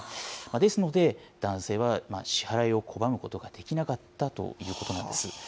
ですので、男性は支払いを拒むことができなかったということなんです。